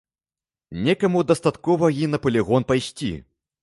Некаму дастаткова і на палігон пайсці.